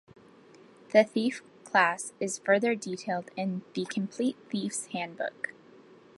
The thief class is further detailed in "The Complete Thief's Handbook".